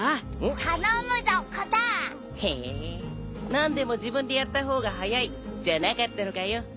「何でも自分でやった方が早い」じゃなかったのかよ。